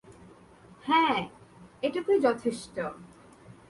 হ্যাঁ, এটুকুই যথেষ্ট।